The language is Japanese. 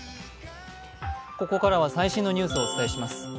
ここからは最新のニュースをお伝えします。